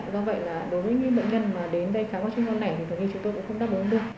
do vậy là đối với những bệnh nhân mà đến đây khám các chuyên khoa lẻ thì tự nhiên chúng tôi cũng không đáp ứng được